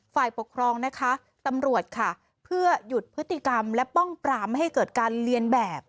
ฝ่ายปกครองนะคะตำรวจค่ะเพื่อหยุดพฤติกรรมและป้องปรามไม่ให้เกิดการเรียนแบบ